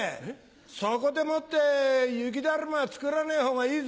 そこでもって雪だるま作らねえ方がいいぞ。